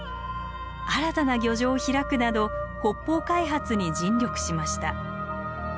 新たな漁場を開くなど北方開発に尽力しました。